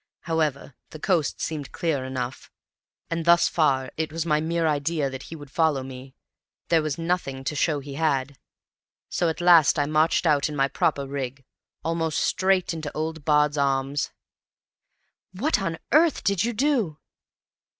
However, the coast seemed clear enough, and thus far it was my mere idea that he would follow me; there was nothing to show he had. So at last I marched out in my proper rig almost straight into old Baird's arms!" "What on earth did you do?"